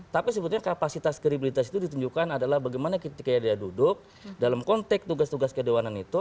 tapi sebetulnya kapasitas kredibilitas itu ditunjukkan adalah bagaimana ketika dia duduk dalam konteks tugas tugas kedewanan itu